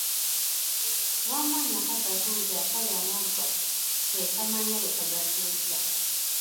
Wamma nakakasa nti akalya amaggwa, ke kamanya bwe kagakyusa.